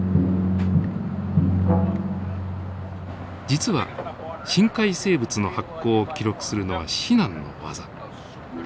実は深海生物の発光を記録するのは至難の業。